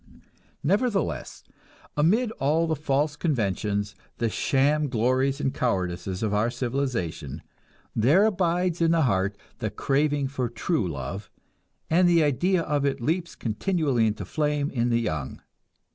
Nevertheless, amid all the false conventions, the sham glories and cowardices of our civilization, there abides in the heart the craving for true love, and the idea of it leaps continually into flame in the young.